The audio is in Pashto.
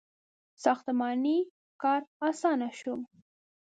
• ساختماني کار آسانه شو.